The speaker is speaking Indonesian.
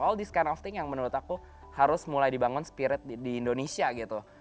all this kind of thing yang menurut aku harus mulai dibangun spirit di indonesia gitu